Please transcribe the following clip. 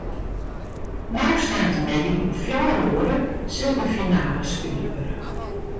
No sneintemiddei om fjouwer oere sil de finale spile wurde.